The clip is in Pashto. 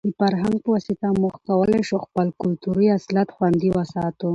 د فرهنګ په واسطه موږ کولای شو خپل کلتوري اصالت خوندي وساتو.